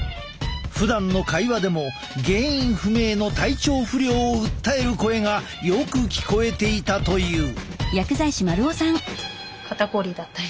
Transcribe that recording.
ふだんの会話でも原因不明の体調不良を訴える声がよく聞こえていたという。